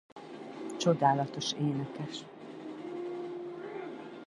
Csodálatos énekes.